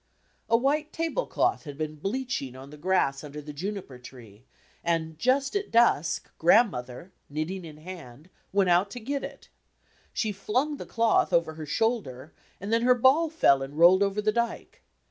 A white tablecloth had been bleaching on the grass D,i„Mb, Google under the juniper tree, and, just at dusk, Grandmother, knitting in hand, went out to get it. She flung the cloth over her shoulder and then her ball fell and rolled over the dyke.